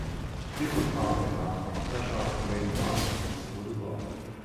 People thought they had come fresh out of Lady Bountiful's goody-box.